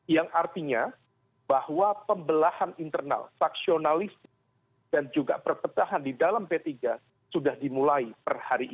yang artinya bahwa pembelahan internal faksionalistik dan juga perpecahan di dalam p tiga sudah dimulai per hari ini